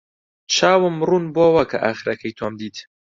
چاوم ڕوون بووەوە کە ئاخرەکەی تۆم دیت.